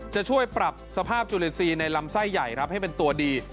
จะช่วยปรับสภาพจุลินทรีย์ในลำไส้ใหญ่ครับให้เป็นตัวดี